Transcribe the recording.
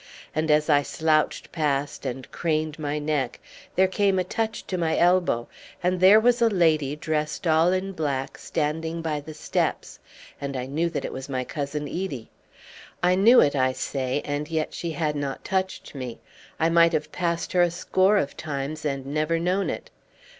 And as I slouched past and craned my neck there came a touch to my elbow, and there was a lady dressed all in black standing by the steps, and I knew that it was my cousin Edie. I knew it, I say, and yet had she not touched me I might have passed her a score of times and never known it.